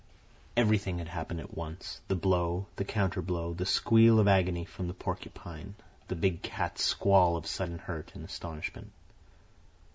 Everything had happened at once—the blow, the counter blow, the squeal of agony from the porcupine, the big cat's squall of sudden hurt and astonishment.